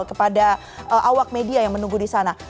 kepada awak media yang menunggu di sana